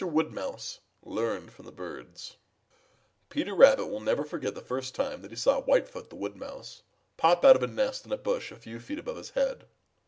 WOOD MOUSE LEARNED FROM THE BIRDS |PETER RABBIT never will forget the first time that he saw Whitefoot the Wood Mouse pop out of a nest in a bush a few feet above his head.